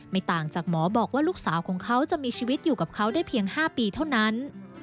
ต่างจากหมอบอกว่าลูกสาวของเขาจะมีชีวิตอยู่กับเขาได้เพียง๕ปีเท่านั้น